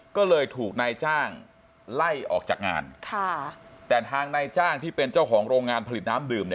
ก็เลยถูกนายจ้างไล่ออกจากงานแต่ทางนายจ้างที่เป็นเจ้าของโรงงานผลิตน้ำดื่ม